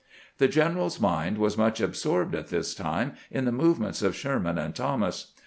The general's mind was much absorbed at this time in the movements of Sherman and Thomas.